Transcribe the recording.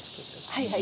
はいはい。